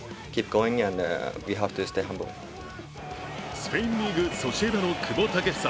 スペインリーグソシエダの久保建英。